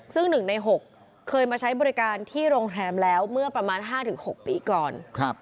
ซึ่ง๑ใน๖บริการว่าเคยมาใช้ที่โรงแรมแล้วเมื่อประมาณ๕ถึง๖ปีก่อน